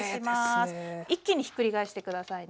一気にひっくり返して下さいね。